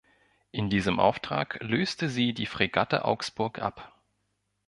In diesem Auftrag löste sie die Fregatte Augsburg ab.